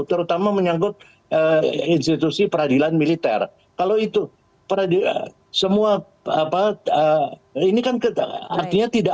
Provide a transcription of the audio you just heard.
terutama menyangkut institusi peradilan militer kalau itu peradilan semua apa ini kan artinya tidak